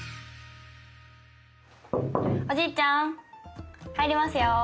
おじいちゃん入りますよ。